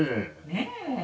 ねえ。